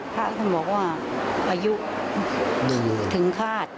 ภาพเขาบอกว่าอายุถึงคาด